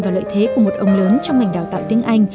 và lợi thế của một ông lớn trong mảnh đào tạo tiếng anh